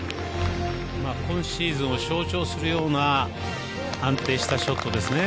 今シーズンを象徴するような安定したショットですね